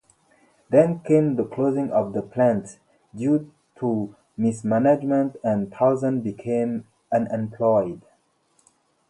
Then came the closing of the plant due to mismanagement and thousands became unemployed.